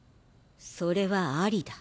それはありだ。